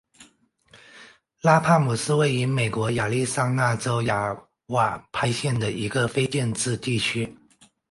拉帕姆是位于美国亚利桑那州亚瓦派县的一个非建制地区。